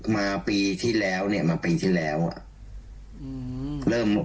มาปีที่แล้วเนี่ย